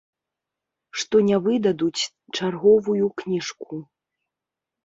Што не выдадуць чарговую кніжку.